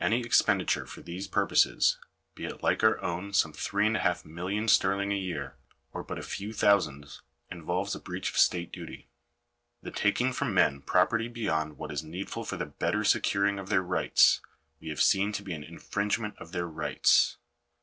Any expenditure for these purposes, be it like our own some three and a half millions sterling a year, or but a few thousands, involves a breach of state duty. The taking from men property beyond what is needful for the better securing of their rights, we have seen to be an infringement of their rights.